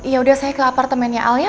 yaudah saya ke apartemennya al ya